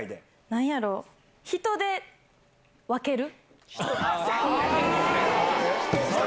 なんやろ、人で分ける。